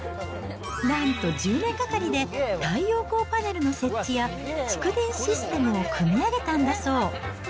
なんと１０年がかりで太陽光パネルの設置や蓄電システムを組み上げたんだそう。